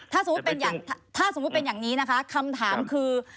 ถ้าสมมุติเป็นอย่างนี้นะคะคำถามคือ